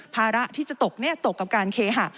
ภาระที่จะตกตกกับการเคหะ